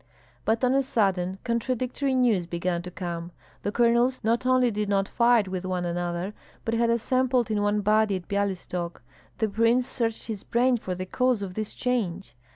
But on a sudden contradictory news began to come; the colonels not only did not fight with one another, but had assembled in one body at Byalystok. The prince searched his brain for the cause of this change.